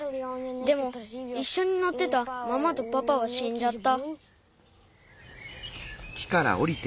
でもいっしょにのってたママとパパはしんじゃった。